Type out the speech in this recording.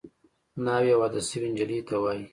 ناوې واده شوې نجلۍ ته وايي